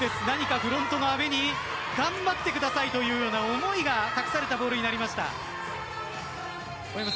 何かフロントの阿部に頑張ってくださいというような思いが託されたボールになりました。